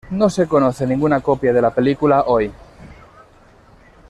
No se conoce ninguna copia de la película hoy.